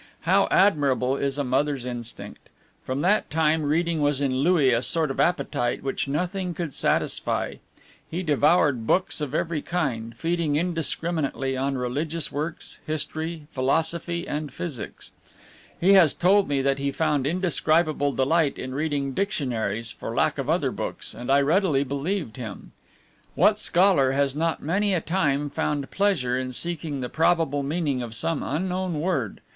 How admirable is a mother's instinct! From that time reading was in Louis a sort of appetite which nothing could satisfy; he devoured books of every kind, feeding indiscriminately on religious works, history, philosophy, and physics. He has told me that he found indescribable delight in reading dictionaries for lack of other books, and I readily believed him. What scholar has not many a time found pleasure in seeking the probable meaning of some unknown word?